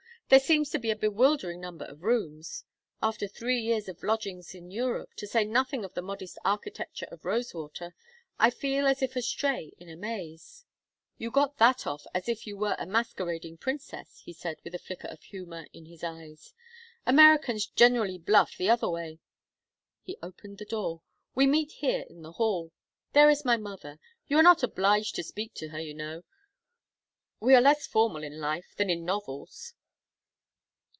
There seems to be a bewildering number of rooms. After three years of lodgings in Europe, to say nothing of the modest architecture of Rosewater, I feel as if astray in a maze." "You got that off as if you were a masquerading princess," he said, with a flicker of humor in his eyes. "Americans generally bluff the other way." He opened the door. "We meet here in the hall. There is my mother. You are not obliged to speak to her, you know. We are less formal in life than in novels."